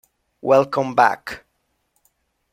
Welcome Back!